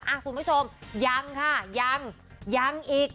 คุณผู้ชมยังค่ะยังยังอีก